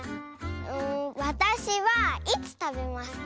わたしはいつたべますか？